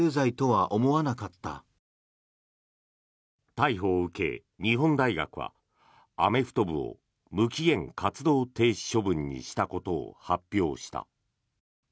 逮捕を受け、日本大学はアメフト部を無期限活動停止処分にしたことを発表した。